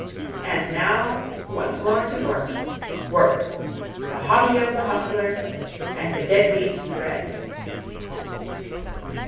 And now once more to work. Work, the hobby of the hustler and the deadbeat's dread.'